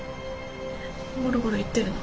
ゴロゴロ言ってるの？